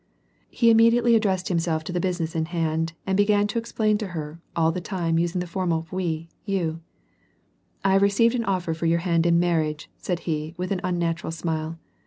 He immediately addressed himself to the business in hand, and began to explain it to her, all the time using the formal vui, you. " I have received an offer for your hand in marriage," said he, with an unnatural smile.